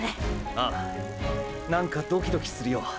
ああなんかドキドキするよ。